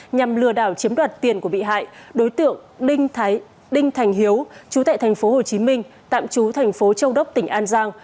nhằm lừa đảo chiếm đoạt tiền của bị hại đối tượng đinh thành hiếu chú tại thành phố hồ chí minh tạm chú thành phố châu đốc tỉnh an giang